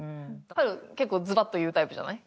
はる結構ズバッというタイプじゃない？